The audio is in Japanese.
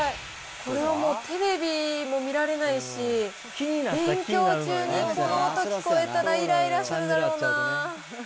これはもうテレビも見られないし、勉強中にこの音聞こえたらイライラするだろうな。